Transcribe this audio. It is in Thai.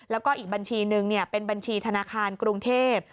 แล้วก็อีกบัญชีหนึ่งเป็นบัญชีธนาคารกรุงเทพ